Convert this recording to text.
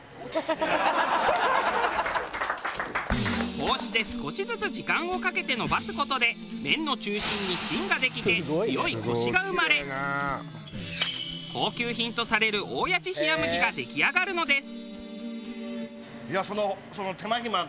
こうして少しずつ時間をかけて延ばす事で麺の中心に芯ができて強いコシが生まれ高級品とされる大矢知冷麦が出来上がるのです。